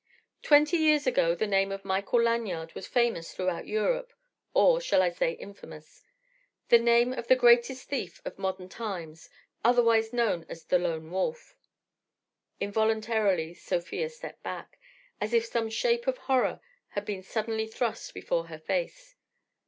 Twenty years ago the name of Michael Lanyard was famous throughout Europe—or shall I say infamous?—the name of the greatest thief of modern times, otherwise known as 'The Lone Wolf'." Involuntarily, Sofia stepped back, as if some shape of horror had been suddenly thrust before her face.